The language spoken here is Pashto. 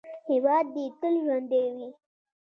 هیواد دې تل ژوندی وي.